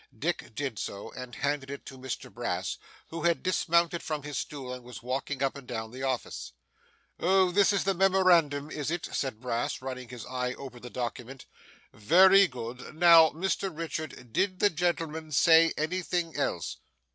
Dick did so, and handed it to Mr Brass, who had dismounted from his stool, and was walking up and down the office. 'Oh, this is the memorandum, is it?' said Brass, running his eye over the document. 'Very good. Now, Mr Richard, did the gentleman say anything else?